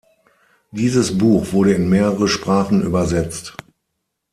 Dieses Buch wurde in mehrere Sprachen übersetzt.